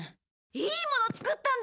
いいもの作ったんだ。